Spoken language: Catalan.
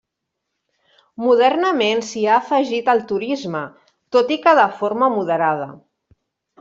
Modernament s'hi ha afegit el turisme, tot i que de forma moderada.